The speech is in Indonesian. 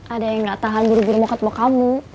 ada yang gak tahan buru buru mokad mokamu